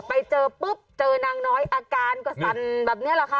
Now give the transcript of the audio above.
ไปเจอปุ๊บเจอนางน้อยอาการก็สั่นแบบนี้แหละค่ะ